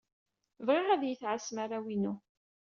Bɣiɣ ad iyi-tɛassem arraw-inu.